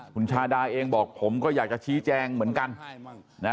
คุณชาดาเองบอกผมก็อยากจะชี้แจงเหมือนกันนะ